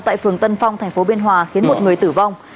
tại phường tân phong thành phố biên hòa khiến một người tử vong